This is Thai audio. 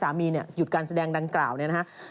สามีนี้หยุดการแสดงดังกล่าวนะฮะ